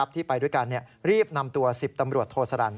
ที่ไปด้วยกันรีบนำตัว๑๐ตำรวจโทสรรค